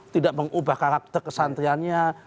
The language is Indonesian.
tidak mengubah karakter kesantriannya